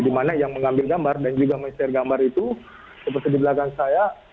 di mana yang mengambil gambar dan juga men share gambar itu seperti di belakang saya